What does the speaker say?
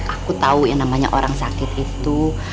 aku tahu yang namanya orang sakit itu